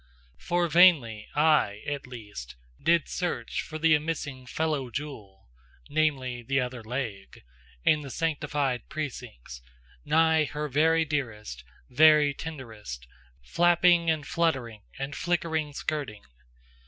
For vainly I, at least, Did search for the amissing Fellow jewel Namely, the other leg In the sanctified precincts, Nigh her very dearest, very tenderest, Flapping and fluttering and flickering skirting.